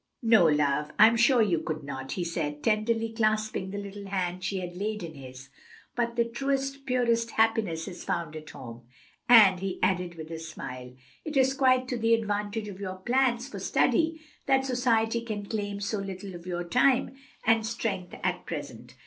"No, love, I'm sure you could not," he said, tenderly clasping the little hand she had laid in his. "But the truest, purest happiness is found at home. And," he added with a smile, "it is quite to the advantage of your plans for study that society can claim so little of your time and strength at present.